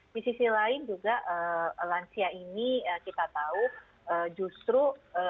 di sisi lain juga lansia ini kita tahu justru